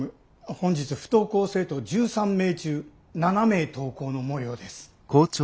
本日不登校生徒１３名中７名登校のもようです。